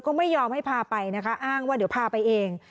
ก็ไม่ยอมให้พาไปนะคะอ้างว่าเดี๋ยวพาไปเอง